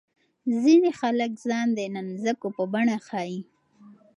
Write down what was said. ځینې خلک ځان د نانځکو په بڼه ښيي.